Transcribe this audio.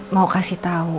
mau kasih tau